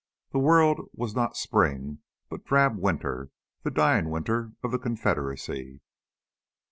The world was not spring, but drab winter, the dying winter of the Confederacy.